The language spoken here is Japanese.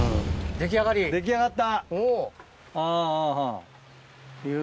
出来上がった。